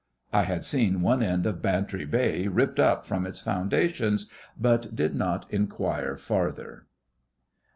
I had seen one end of Bantry Bay ripped up from its foundations, but did not inquire farther.